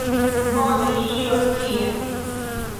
Bone, mi iros tien.